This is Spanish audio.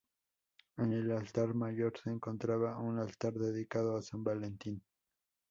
En el altar mayor se encontraba un altar dedicado a San Valentín.